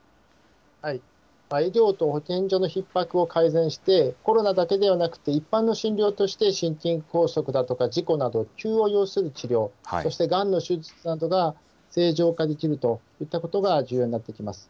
医療と保健所のひっ迫を改善して、一般の診療として心筋梗塞だとか、事故など、急を要する治療、そしてがんの手術などが正常化できるといったことが重要になってきます。